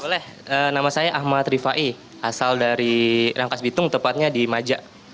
boleh nama saya ahmad rifai asal dari rangkas bitung tepatnya di maja